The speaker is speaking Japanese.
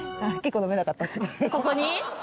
ここに？